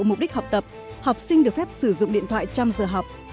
mục đích học tập học sinh được phép sử dụng điện thoại trong giờ học